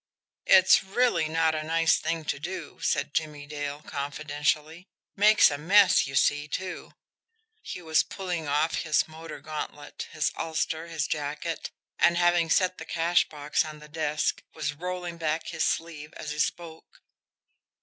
"It's really not a nice thing to do," said Jimmie Dale confidentially. "Makes a mess, you see, too" he was pulling off his motor gauntlet, his ulster, his jacket, and, having set the cash box on the desk, was rolling back his sleeve as he spoke.